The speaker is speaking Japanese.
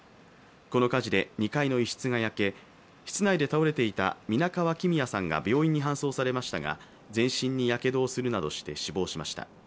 この火事で、２階の一室が焼け室内で倒れていた皆川公哉さんが、病院に搬送されましたが全身にやけどをするなどして死亡しました。